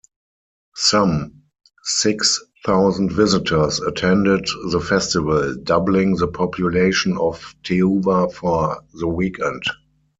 Some six-thousand visitors attended the festival, doubling the population of Teuva for the weekend.